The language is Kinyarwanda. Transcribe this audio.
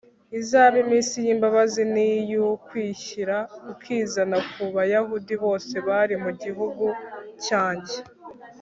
izabe iminsi y'imbabazi n'iy'ukwishyira ukizana ku bayahudi bose bari mu gihugu cyanjye